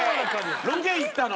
ロケ行ったの？